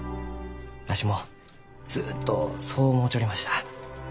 わしもずっとそう思うちょりました。